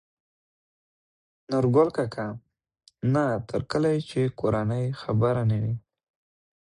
نورګل کاکا : نه تر کله يې چې کورنۍ خبره نه وي